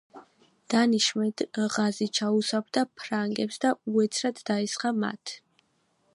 დანიშმენდ ღაზი ჩაუსაფრდა ფრანგებს და უეცრად დაესხა მათ.